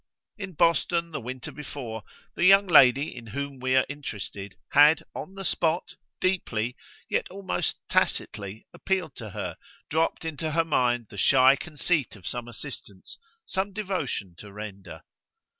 In Boston, the winter before, the young lady in whom we are interested had, on the spot, deeply, yet almost tacitly, appealed to her, dropped into her mind the shy conceit of some assistance, some devotion to render.